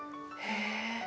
へえ。